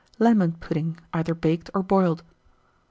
Lemon pudding, either baked or boiled.